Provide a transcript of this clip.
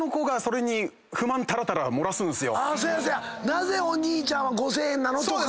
なぜお兄ちゃんは５，０００円なの？とか。